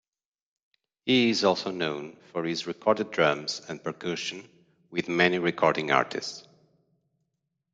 He is also known for his recorded drums and percussion with many recording artists.